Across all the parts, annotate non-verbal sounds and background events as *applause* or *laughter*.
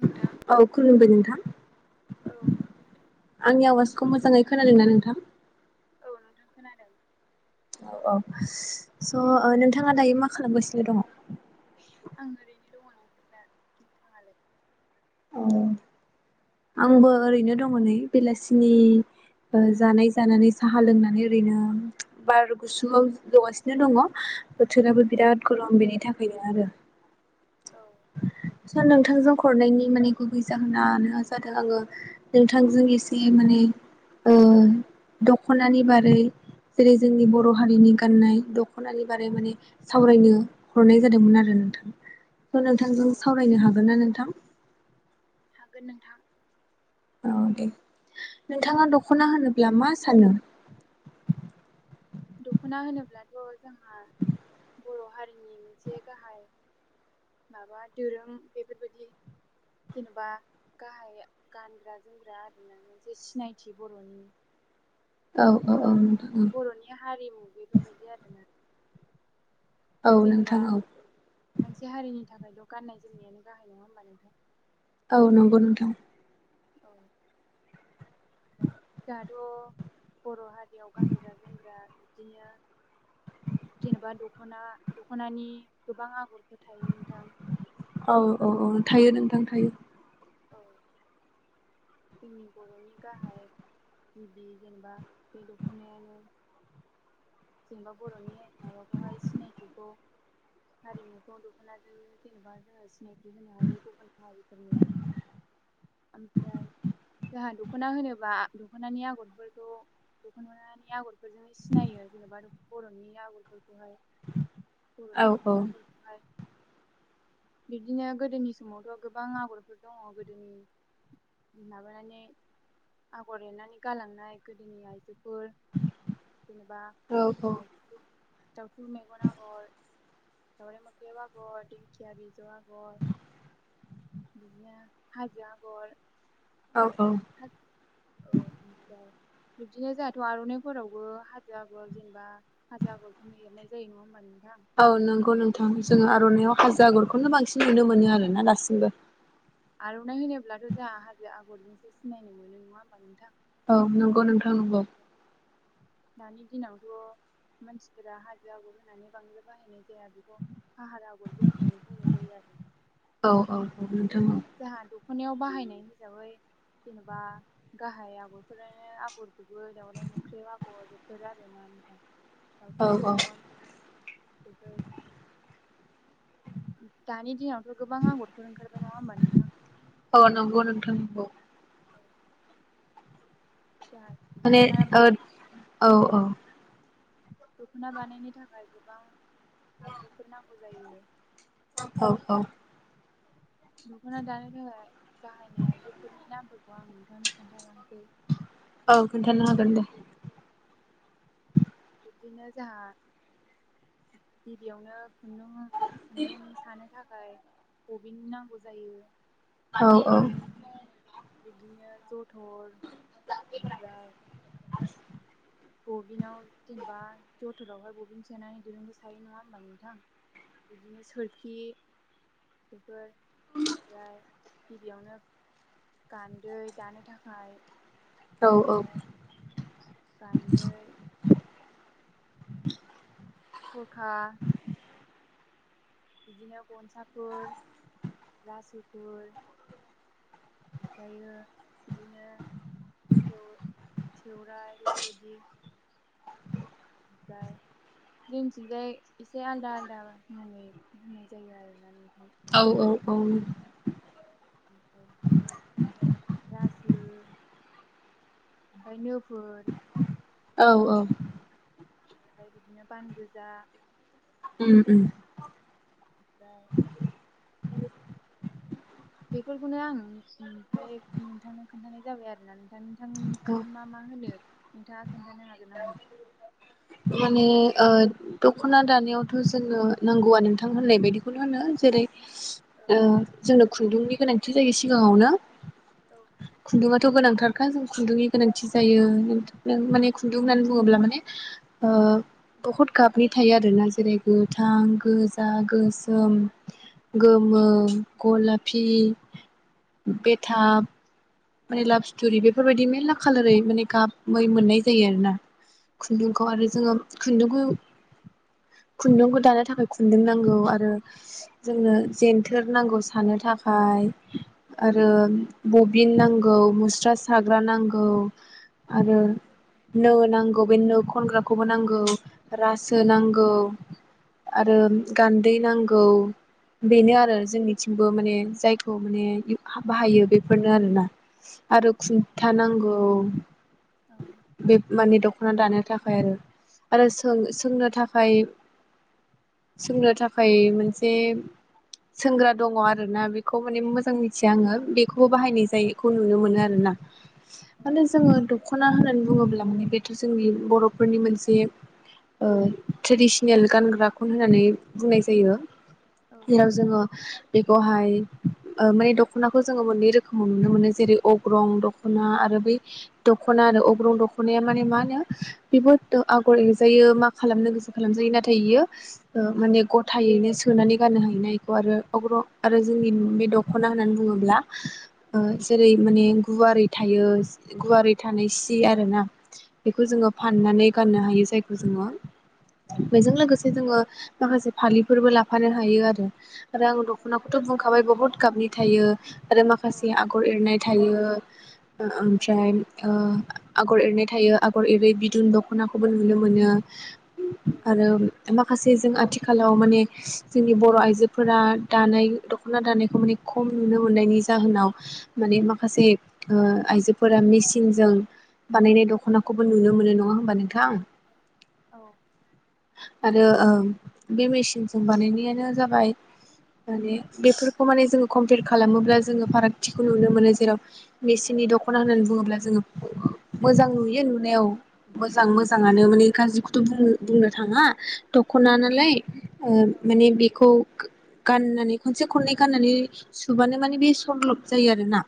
नोंथां औ खुलुमबाय नोंथां औ नोंथां आंनि आवास खौ मोजाङै खोनादों ना नोंथां औ नोंथां खोनादों औ औ स नोंथाङा दायो मा खालामगासिनो दङ। आं ओरैनो दङ नोंथां दा नोंथाङालाय औ। आंबो ओरैनो दङ नै बेलासिनि जानाय जानानै साहा लोंनानै ओरैनो बार गुसुआव जगासिनो दङ बोथोराबो बिराद गरम बेनि थाखायनो आरो औ सार नोंथांजों हरनायनि माने गुबै जाहोनानो जादों आङो नोंथांजों एसे माने ओ दख'नानि बारै जेरै जोंनि बर' हारिनि गाननाय दख'नानि बारै माने सावरायनो हरनाय जादोंमोन आरो नोंथां ' औ नोंथांजों सावरायनो हागोन ना नोंथां हागोन नोंथां अ दे नोंथाङा औ दख'ना होनोब्ला मा *unintelligible* दखना होनोब्लाथ' जोंहा बर' हारिनि मोनसे गाहाय माबा दोरोम बेफोरबायदि जेन'बा गाहाय गानग्रा जोमग्रा आरोना मोनसे सिनायथि बर'नि औ औ औ जेनेबा नोंथां औ बर'नि हारिमु बेफोरबायदि आरोना औ जेनेबा नोंथां औ नोंथां औ मोनसे हारिनि थाखायल गाननाय जोमनायानो गाहाय नङा होमबा नोंथां औ नंगौ नोंथां औ *unintelligible* थ'बर' हारि बेयाव गानग्रा जोमग्रा बिदिनो जेनेबा दखना दखनानि गोबां आगर औ औ बेखौ औ थायो नोंथां थायो औ जोंनि बर'नि गाहाय गिबि जेनेबा बे दख'नायानो जेनेबा बर'नि माबाखौहाय सिनायथिखौ हारिमुखौ दख'नाजोंनो जेनेबा जोङो सिनायथि होनो हायो गुबुन हारिफोरनो ओमफ्राय जाहा दख'ना होनोबा दख'नानि आगरफोरखौ दख'नि आगरफोरजोंनो सिनायो जेनेबा बर'नि आगरफोरखौहाय औ बर'नि दख'नाफोरखौहाय बिदिनो गोदोनि समावथ' गोबां आगरफोर दङ गोदोनि माबानानै आगर एरनानै गालांनाय गोदोनि आइजोफोर जेनेबा औ औ दाउथु दावथु मेगन आगर दाावराइ मोख्रेब आगर दिंखिया बिजौ आगर बेनो हाजो आग औ औ धोद औ ओ ओमफ्राय बिब्दिनो जाहाथ' आर'नायफोरावबो हाजो आगर जेनेबा हाजो आगरखौनो एरनाय जायो नङा होनबानो औ नंगौ नोंथां जोङो आर'नायाव हाजो आगरखौनो बांसिन नुनो मोनो आरोना दासिमबो आर'नाय होनोब्लाथ' जाहा हाजो आगरजोंसो सिनायनो मोनो नङा होमबा नोंथां औ नंगौ नोंथां नंगौ। दानि दिनावथ' मानसिफोरा हाजो आगर होनानै बांद्राय बाहायनाय जाया बेखौ फाहार आगरबो होननानै बुंनाय जायो आरो औ औ नोंथां औ। जोंहा दखनायाव बाहायनाय हिसाबै जेनबा गाहाय आगरफोरानो आगर गुबै दाावराइ मोख्रेब आगर बेफोर आरोना नोंथां। औ दावस्रि औ मेगन बेफोर दानि दिनावथ' गोबां आगरफोर ओंखारबाय नङा होमबानो औ नंगौ नोंथां नंगौ। उम। माने बा औ औ। दख'ना बानायनो थाखाय गोबां आयजोफोर ना? बुजायो। औ औ। दख'ना दानो थाखाय बाहायनाय आगजुफोरनि नामफोरखौ आं नोंथांनो खोन्थालां औ खोन्थानो हागोन दे बिब्दिनो जाहा गिबियावनो खुन्दुं खुन्दुं सानो थाखाय। बबिन नांगौ जायो। औ औ बिदिनो जथर ओमफ्राय गबिनल जेनेबा जथोरावहाय बबिेन सोनानै दुरुंबो सायो नङा होमबा नोंथां बिदिनो सोरखि *inaudible* गिबियावनो गान्दै दानो थाखाय औ औ ओमफ्राय गान्दै *inaudible* खरखा बिदिनो गनसाफोर रासोफोर ओमफ्रायो बिदिनो सेव सेवराइ बेफोरबायदि ओमफ्राय जोंथिंजाय एसे आलदा आलादा मुङै-' नाय जायो आरो औ नो *unintelligible* रासो ओमफ्राय नोफोर *inaudible* औ औ। ओमफ्राय बिदिनो बान गोजा उम उम। ओमफ्राय बेफोरखौनो आं ओमफ्राय नोंथांनो खोन्थानाय जाबाय आरोना नोंथां। औ थांसिं मा मा होनो नोंथाङा खोन्थानो हागोन नामा? माने ओ दख'ना दानायावथ' जोंनो नांगौआ नोंथां होननाय बायदिखौनो होनो जेरै ओ जोंनो खुन्दुंनि गोनांथि जायो सिगाङावनो औ खुन्दुङाथ गोनांथारखा जों खुन्दुंनि गोनांथि जायो नों माने खुन्दुं होननानै बुङोब्ला माने ओ बहुत गाबनि थायो आरोना जेरैबो गोथां, गोजा, गो गोमो गलाफि बेथाब माने लाभ स्टरि बेफोरबायदि मेरला खालारै माने गाबै मोननाय जायो आरो ना खुन्दुंखौ आरो जोङो खुन्दुंखौ खुन्दुंखौ दानो थाखाय खुन्दुं नांगौ आरो जोंनो जेनथोर नांगौ सानो थाखाय आरो बबिन नांगौ। नांगौ मुस्रा साग्रा नांगौ आरो नो नांगौ। बे नो खनग्राखौबो नांगौ रासो नांगौ आरो गान्दै नांगौ बेनो आरो जोंनिथिंबो माने जायखौ माने बाहायो बेफोरनो आरोना? *unintelligible* आरो खुन्था नांगौ बे माने दख'ना दानो थाखाय आरो *unintelligible* आरो सों सोंनो थाखाय सोंनो थाखाय मोनसे सोंग्रा दङ आरोना बेखौ माने मोजां मिथिया आङो बे खौबो बाहायनाय जायो। मोनो आरोना माने जोङो दख'ना होननानै बुङोब्ला माने बेथ' जोंनि बर'फोरनि मोनसे ओ ट्रेडिसनेल गानग्राखौनो होननानै बुंनाय जायो। जेराव जोङो बेखौहाय माने दख'नाखौ जोङो मोननै रोखोमाव नुनो मोनो जेरै अग्रं दख'ना आरो बै दखना आरो अग्रं दख'नाया माने मा होनो बेबो आगर एरजायो मा खालामनो गोसो खालामजायो नाथाय बियो माने गथायैनो सोनानै गाननो हायो ना बेखौ आरो अग्रं आरो जोंनि बे दख'ना होननानै बुङोब्ला जेरै माने गुवारै थायो गुवारै थानाय सि आरो ना बेखौ जोङो फाननानै गाननो हायो जायखौ जोङो बेजों लोगोसे जोङो माखासे फालिफोरबो लाफानो हायो आरो आरो आङो दख'नाखौथ' बुंखाबाय बहुत गाबनि थायो। आरो माखासे आग न'खर एरनाय थायो। ओमफ्राय आगर एरनाय थायो आगर एरै बिदुन दख'नाखौबो नुनो मोनो आरो माखासे जों आथिखालाव माने जोंनि बर' आइजोफोरा दानाय दख'ना दानायखौ माने खम नुनो मोननायनि जाहोनाव माने माखासे आइजोफोरा मेसिनजों बानायनाय दख'नाखौबो नुनो मोनो नङा होमबा नोंथां? औ आरो बे मेसिनजों बानायनायानो जाबाय माने बेफोरखौ माने जोङो खन्थेक खालामोब्ला जोङो फारागथि खौ नुनो मोनो जेराव मेसिननि दख'ना होननानै बुङोब्ला जोङो मोजां नुयो नुनायाव मोजां-मोजाङानो माने गाज्रिखौथ' बुं बुंनो थाङा दख'ना नालाय ओ माने बेखौ गाननानै खनसे खननै गाननानै सुबानो माने बे समलब जायो आरोना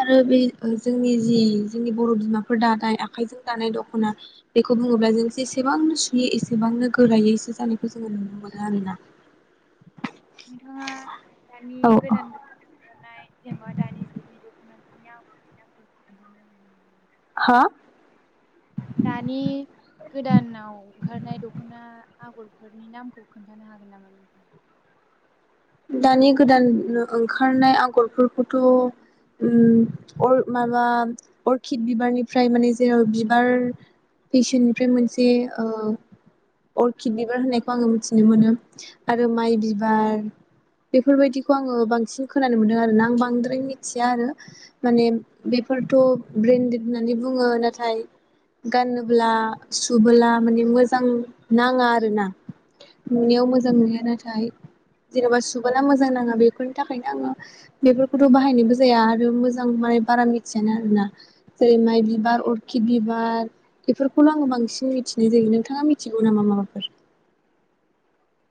आरो बे जोंनि जि जोंनि बर' बिमाफोर दानाय आखाइजों दानाय दख'ना। बेखौ बुङोब्ला जों जेसेबांनो बे एसेबांनो गोरायैसो जानायखौ जोङो नुनो मोनो आरोना। नोंथाङा दानि गोदान गोदान ओंखारनाय जेनेबा दानि जुगनि दखनाफोरनि आगरनि नामफोरखौ खोनथानो दानि गोदानाव ओंखारनाय दख'ना आगरफोरनि नामखौ खोन्थानो हागोन नामा नों? दानि गोदान ओंखारनाय आगरफोरखौथ' ओम अर माबा अर्खिद बिबारनिफ्राय माने जेराव बिबार फेसेननिफ्राय मोनसे ओ औ अर्किद बिबार होननायखौ आङो मिथि नुनो मोनो। आरो औ माइ बिबार बेफोरबायदिखौ आङो बांसिन खोनानो मोनदों आरोना आं बांद्राय मिथिया आरो माने बेफोरथ' ब्रेन्डेड होननानै बुङो नाथाय औ गानोब्ला सुबोला माने मोजां नाङा आरोना नुनायाव मोजां नुयो नाथाय जेन'बा सुबा मोजां नाङा बेफोरनि थाखायनो आङो बेफोरखौथ' बाहायनोबो जाया आरो मोजां माने बारा मिथियानो आरोना। जेरै माइ औ बिबार अर्किद बिबार बेफोरखौल' आङो बांसिन मिथिनाय जायो। नोंथाङा मिथिगौ नामा माबाफोर?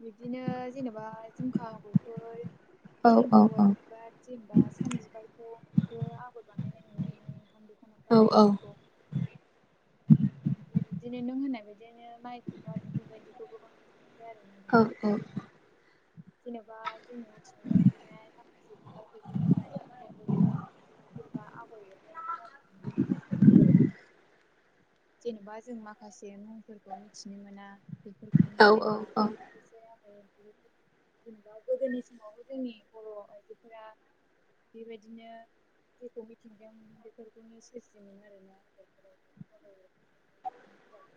बिब्दिनो जेनेबा जिमखा बोथोर औ औ औ सानफ्लावार बिबार जेनेबा सान बिबारखौबो आगर औ औ बानायन *inaudible* *unintelligible* बिदिनो नों होननाय बायद *unintelligible* बिदिनो माइ बिबार बेफोरबायदिखौ गोबां आरो औ औ जेनेबा जोंनि मिथिंगाव नुनाय माखासे बिफां बिदिनो दानि जुगाव बयबो जेनेबा आगर एर *unintelligible* जेनेबा जों माखासे मुंफोरखौ मिथिनो मोना बेफोरखौनो औ औ जेनेबा औ खायसे जेनेबा गोदोनि समाव जोंनि बर' आइजोफोरा बेबायदिनो जेखौ मिथिंगायाव मोनो बेफोरखौनो सोरजियोमोन आरोना औ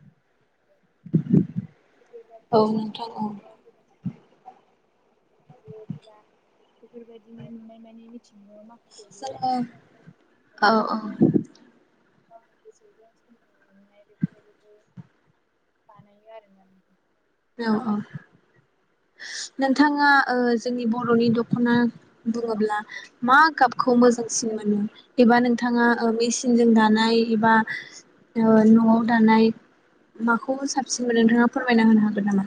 औ नोंथां औ *unintelligible* बेफोरबायदिनो नुनाय मानि मिथि *unintelligible* माखासे बिराद जोङो बुस्थु औ *unintelligible* *unintelligible* बानायो आरो ना। औ औ नोंथाङा ओ जोंनि बर'नि दख'ना बुङोब्ला मा गाबखौ मोजांसिन मोनो एबा नोंथाङा ओ मेसिनजों दानाय एबा ओ न'आव दानाय माखौ साबसिन मोनो नोंथाङा फोरमायना होनो हागोन? हागोन नामा?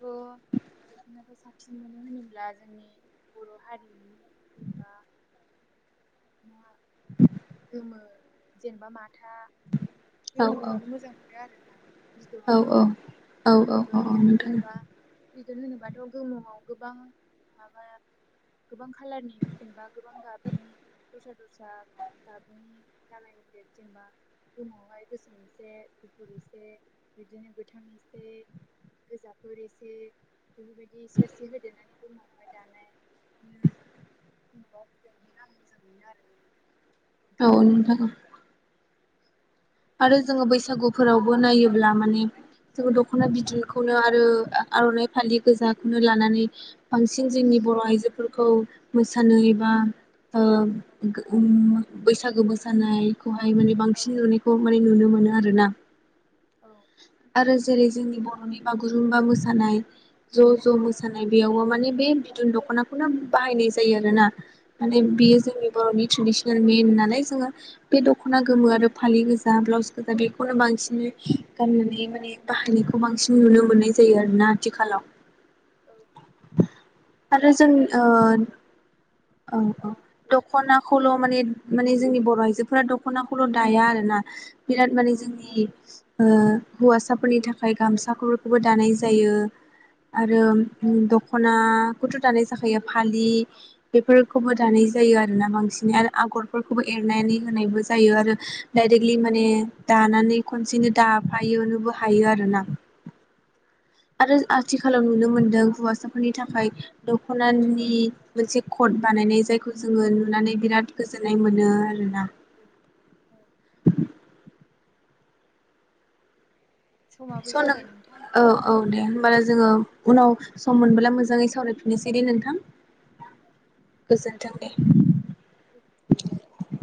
-थ' दखनाखौ साबसिन मोनो होनोब्ला जोंनि बर' हारिनि *unintelligible* *unintelligible* गोमो जेनेबा माथ माथा औ औ गोमोखौनो मोजां मोनो आरोना बिदन बेफोर ओह बिदनो होनोबाथ' गोमोआव गोबां माबा गोबां खालारनि जेनेबा गोबां गाबनि दस्रा दस्रा गाबनि लागाय मोनदेर जेनेबा गोमोआवहाय गोसोम एसे गुफुर एसे बिदिनो गोथां एसे गोजाफोर एसे बेबायदि एसे एसे होदेरनानै दंबावबाय दानाय बिदिनो *unintelligible* आं मोजां मोनो आरो ना औ नोंथां औ आरो जोङो नोंथाङा बैसागुफोरावबो नायोब्ला मा जोङो दख'ना बिदनखौनो आरो आर'नाइ फालि गोजाखौनो लानानै बांसिन जोंनि बर' आइजोफोरखौ मोसानाय बा ओ गो उम बैसागो मोसानाय खौहाय माने औ बांसिन नु माने नुनो मोनो आरोना? औ आरो जेरै जोंनि बर'नि बागुरुम्बा मोसानाय-' ज' ज' औ मोसानाय बेयावबो माने बे बिदुन दख'नाखौनो बाहायनाय जायो आरोना माने बेयो जोंनि बर'नि ट्रेडिसनेल मेइेन होनी नालाय जोङो बे दख'ना गोमो आरो फालि गोजा ब्लाउस गोजा बेखौनो बांसिनै गाननानै माने बाहायनायखौ बांसिन नुनो मोननाय जायो आरोना आथिखालाव-' औ *inaudible* आरो जों नोंथां ओ समा औ औ दख'नाखौ खौल' माने माने जोंनि बर' आइजोफोरा दख'नाखौल' दाया आरोना। बिराद माने औ जोंनि हौवासाफोरनि थाखाय गामसाफोरखौबो दानाय जायो आरो दख'नाखौथ' दानाय जाखायो फालि बेफोरखौबो दानाय जायो आरोना बांसिनै आरो आगरफोरखौबो एरनानै होनायबो जायो आरो डायरेक्टलि माने दानानै खनसेनो दाफायोबो हायो आरोना आरो आथिखालाव नुनो मोनदों हौवासाफोरनि थाखाय दख'नानि मोनसे कट बानायनाय जायखौ जोङो नुनानै बिराद गोजोननाय मोनो आरोना औ। समाबो स' नों जाबाय नोंथां औ औ दे। होमबला जोङो उनाव सम मोनबोला मोजाङै सावरायफिननोसै दे नोंथां। गोजोन्थों दे। *inaudible*